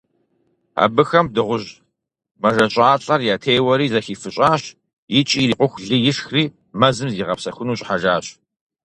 Абыхэм дыгъужь мэжэщӀалӀэр ятеуэри, зэхифыщӀащ икӀи ирикъуху лы ишхри, мэзым зигъэпсэхуну щӀыхьэжащ.